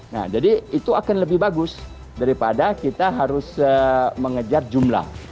nah jadi itu akan lebih bagus daripada kita harus mengejar jumlah